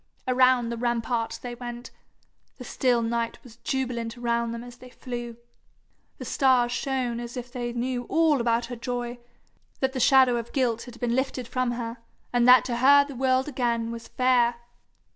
Around the rampart they went. The still night was jubilant around them as they flew. The stars shone as if they knew all about her joy, that the shadow of guilt had been lifted from her, and that to her the world again was fair.